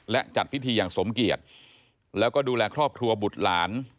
และจัดพิธีอย่างสมเกียจแล้วก็ดูแลครอบครัวบุตรหลาน